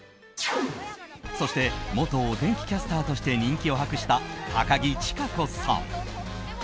そして元お天気キャスターとして人気を博した高樹千佳子さん。